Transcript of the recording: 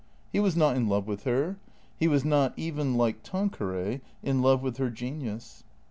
He was not in love with her. He was not even, like Tanqueray, in love with her genius.